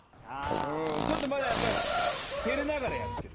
ちょっとまだやっぱ照れながらやってる。